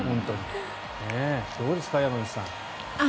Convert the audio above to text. どうですか、山口さん。